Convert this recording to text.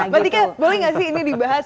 maksudnya boleh gak sih ini dibahas